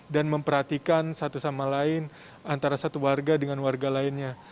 dan memperhatikan satu sama lain antara satu warga dengan warga lainnya